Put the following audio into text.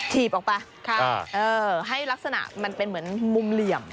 ถีบออกไปให้ลักษณะมันเป็นเหมือนมุมเหลี่ยม